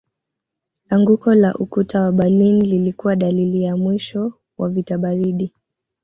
Anguko la ukuta wa Berlin lilikuwa dalili ya mwisho wa vita baridi